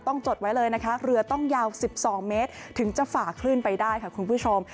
จดไว้เลยนะคะเรือต้องยาว๑๒เมตรถึงจะฝ่าคลื่นไปได้ค่ะคุณผู้ชม